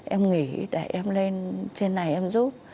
em nghỉ để em lên trên này em giúp